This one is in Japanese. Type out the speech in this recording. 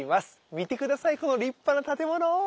見て下さいこの立派な建物。